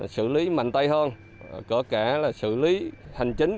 sử lý mạnh tay hơn cỡ cả là sử lý hành chính